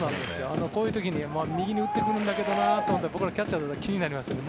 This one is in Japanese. こういう時に右に打ってくるんだけどなって僕らキャッチャーだと気になりますね。